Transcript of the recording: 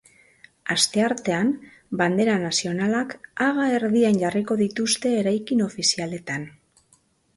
Asteartean bandera nazionalak haga erdian jarriko dituzte eraikin ofizialetan.